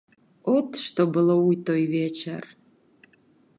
От што было ў той вечар.